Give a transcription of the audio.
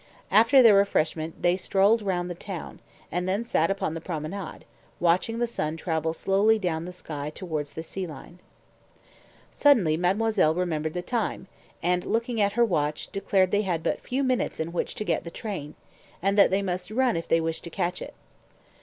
After their refreshment they strolled round the town, and then sat upon the promenade, watching the sun travel slowly down the sky towards the sea line. Suddenly mademoiselle remembered the time, and, looking at her watch, declared they had but a few minutes in which to get to the train, and that they must run if they wished to catch it.